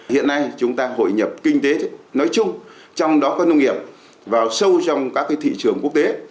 hiện nay chúng ta hội nhập kinh tế nói chung trong đó có nông nghiệp vào sâu trong các thị trường quốc tế